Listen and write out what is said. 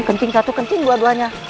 kencing satu kencing dua duanya